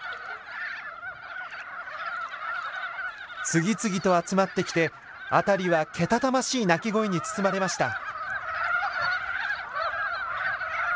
次々と集まってきて辺りはけたたましい鳴き声に包まれました。